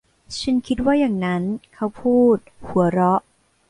ฉันคิดว่าอย่างนั้น เขาพูด หัวเราะ